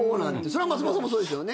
それは松本さんもそうですよね。